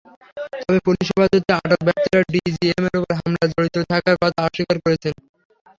তবে পুলিশ হেফাজতে আটক ব্যক্তিরা ডিজিএমের ওপর হামলায় জড়িত থাকার কথা অস্বীকার করেছেন।